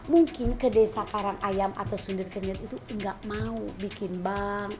mungkin kedesa parangayam atau sundir kenyet itu nggak mau bikin bank